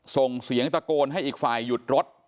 ส่งเสียงตะโกนให้อีกฝ่ายหยุดรถ